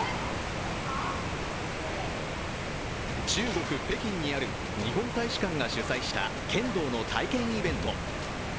中国・北京にある日本大使館が主催した剣道の体験イベント。